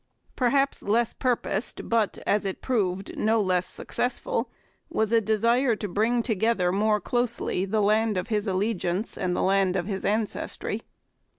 Perhaps less purposed, but, as it proved, no less successful, was a desire to bring together more closely the land of his allegiance and the land of his ancestry.